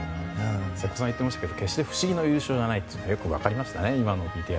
瀬古さんが言ってましたが決して不思議な優勝じゃないのがよく分かりますね。